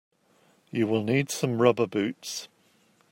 You will need some rubber boots.